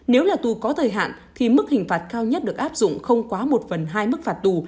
nếu là tù có thời hạn thì mức hình phạt cao nhất được áp dụng không quá một phần hai mức phạt tù